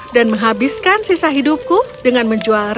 dan menghabiskan sisa hidupku dengan kemampuanmu